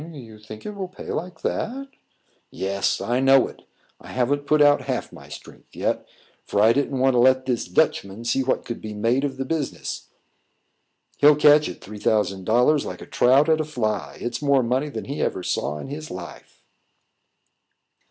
"You think it will pay like that?" "Yes, I know it. I haven't put out half my strength yet, for I didn't want to let this Dutchman see what could be made of the business. He'll catch at three thousand dollars like a trout at a fly; it's more money than he ever saw in his life."